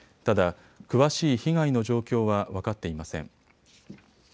ただ、詳しい被害の状況は分かっていません。